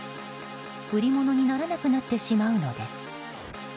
売り物にならなくなってしまうのです。